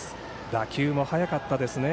打球も速かったですね。